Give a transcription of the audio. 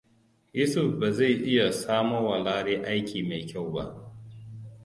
Yusuf ba zai iya samowa Lare aiki mai kyau ba.